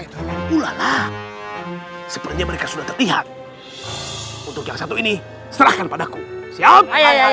ula lah sepertinya mereka sudah terlihat untuk yang satu ini serahkan padaku siap